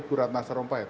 bu ratna sarumpayat